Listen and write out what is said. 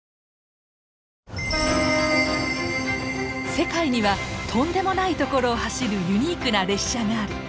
世界にはとんでもない所を走るユニークな列車がある！